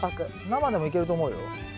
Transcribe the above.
生でもいけると思うよ。